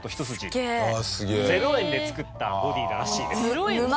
ゼロ円で作ったボディーらしいです。